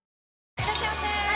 いらっしゃいませ！